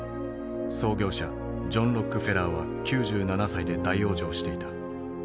創業者ジョン・ロックフェラーは９７歳で大往生していた。